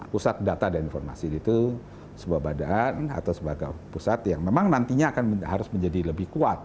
pusat data dan informasi itu sebuah badan atau sebagai pusat yang memang nantinya akan harus menjadi lebih kuat